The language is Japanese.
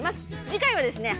次回はですね